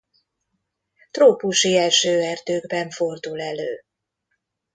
Trópusi esőerdőkben fordul elő.